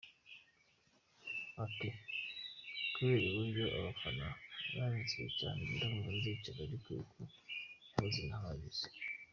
Ati “Kubera uburyo abafana babinsabye cyane, ndumva nzicara ari uko hose nahageze.